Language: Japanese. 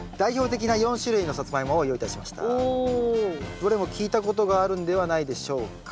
どれも聞いたことがあるんではないでしょうか。